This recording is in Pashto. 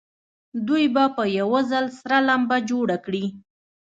دوی به په یوه ځل سره لمبه جوړه کړي.